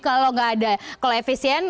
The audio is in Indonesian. kalau gak ada efisien